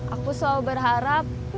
aku selalu berharap